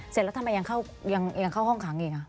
เสร็จแล้วทำไมยังเข้าห้องขังอีก